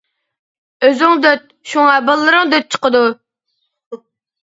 -ئۆزۈڭ دۆت، شۇڭا بالىلىرىڭ دۆت چىقىدۇ.